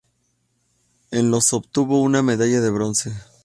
En los obtuvo una medalla de bronce.